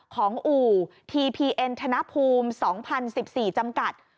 อู่ทีพีเอ็นธนภูมิ๒๐๑๔จำกัด